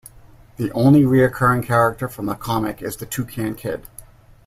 The only recurring character from the comic is the Toucan Kid.